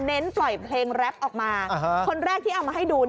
ปล่อยเพลงแรปออกมาคนแรกที่เอามาให้ดู